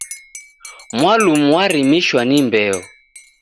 Mwalumu warimishwa ni mbeo